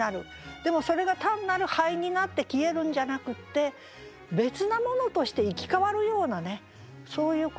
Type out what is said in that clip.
でもそれが単なる灰になって消えるんじゃなくって別なものとして生き変わるようなねそういう不思議な。